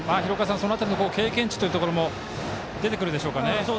その辺りの経験値というところも出てくるでしょうかね。